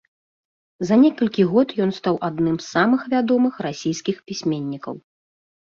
За некалькі год ён стаў адным з самых вядомых расійскіх пісьменнікаў.